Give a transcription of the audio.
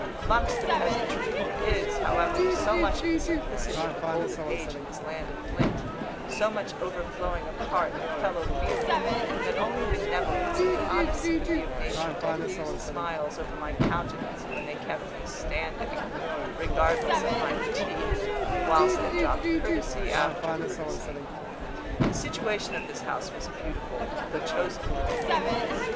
Amongst the peasantry there is, however, so much of the simplicity of the golden age in this land of flint so much overflowing of heart and fellow feeling, that only benevolence and the honest sympathy of nature diffused smiles over my countenance when they kept me standing, regardless of my fatigue, whilst they dropped courtesy after courtesy. The situation of this house was beautiful, though chosen for convenience.